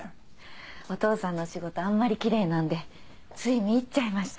お父さんの仕事あんまりきれいなんでつい見入っちゃいました。